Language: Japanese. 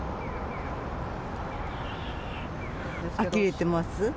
あきれてます。